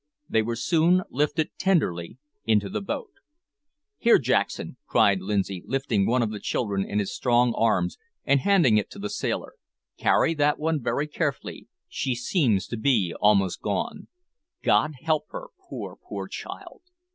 These were soon lifted tenderly into the boat. "Here, Jackson," cried Lindsay, lifting one of the children in his strong arms, and handing it to the sailor, "carry that one very carefully, she seems to be almost gone. God help her, poor, poor child!"